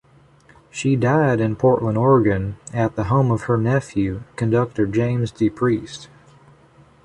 She died in Portland, Oregon, at the home of her nephew, conductor James DePreist.